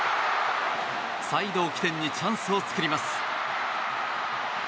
サイドを起点にチャンスを作ります。